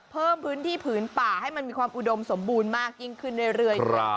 เพิ่มพื้นที่ผืนป่าให้มันมีความอุดมสมบูรณ์มากยิ่งขึ้นเรื่อย